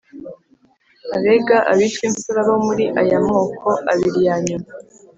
abega, abitwa imfura bo muri aya moko abiri ya nyuma